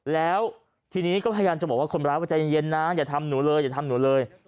แล้วทีนี้ก็พยายามจะบอกว่าคนร้ายว่าใจเย็นนะอย่าทำหนูเลยอย่าทำหนูเลย